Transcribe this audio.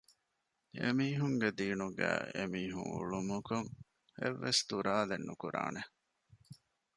އެމީހުންގެ ދީނުގައި އެމިހުން އުޅުމަކަށް އެއްވެސް ތުރާލެއް ނުކުރާނެ